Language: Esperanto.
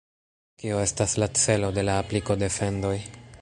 Kio estas la celo de la apliko de fendoj?